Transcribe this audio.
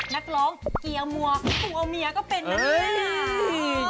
นักร้องเกียมัวกลัวเมียก็เป็นนักนี้แหละ